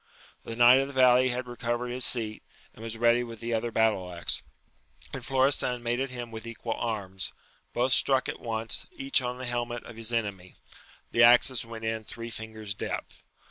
The knight of the valley had recovered his seat, and was ready with the other battle axe, and Florestan made at him with equal arms : both struck at once, each on the helmet of his enemy ; the axes went in three fingers' depth.